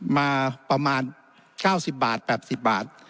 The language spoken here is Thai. มาประมาณ๙๐บาท๘๐บาท